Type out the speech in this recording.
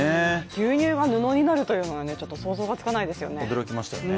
牛乳が布になるというのが想像がつかないですよね。